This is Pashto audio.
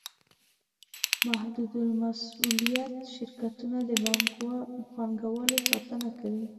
محدودالمسوولیت شرکتونه د پانګوالو ساتنه کوي.